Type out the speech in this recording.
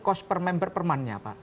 cost per member per month nya pak